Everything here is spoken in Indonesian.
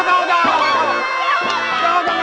tau tau tau